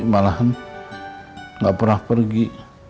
malahan gak pernah pergi